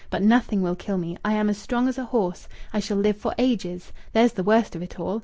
But nothing will kill me! I am as strong as a horse. I shall live for ages. There's the worst of it all!...